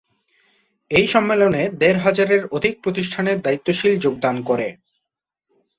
এই সম্মেলনে দেড় হাজারের অধিক প্রতিষ্ঠানের দায়িত্বশীল যোগদান করে।